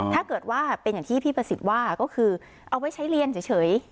ถ้าเกิดว่าเป็นอย่างที่พี่ประสิทธิ์ว่าก็คือเอาไว้ใช้เรียนเฉย